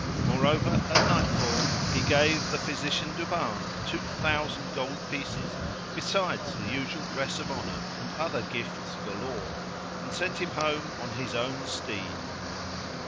Moreover, at nightfall he gave the physician Duban two thousand gold pieces, besides the usual dress of honour and other gifts galore, and sent him home on his own steed.